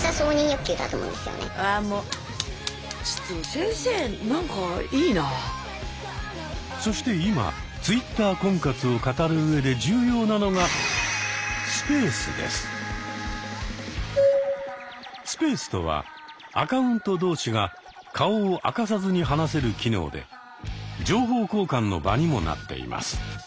あもうそして今Ｔｗｉｔｔｅｒ婚活を語るうえで重要なのがスペースとはアカウント同士が顔を明かさずに話せる機能で情報交換の場にもなっています。